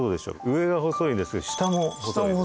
上は細いんですが下も細いです。